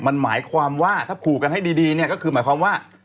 มันหมายความว่าถ้าผูกกันให้ดีเนี่ยก็คือหมายความว่า